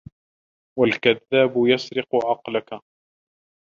وَالْكَذَّابُ يَسْرِقُ عَقْلَك